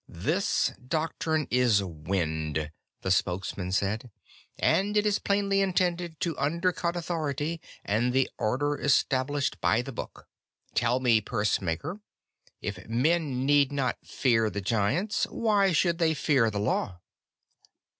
"This doctrine is wind," the Spokesman said. "And it is plainly intended to undercut authority and the order established by the Book. Tell me, pursemaker: if men need not fear the Giants, why should they fear the law?"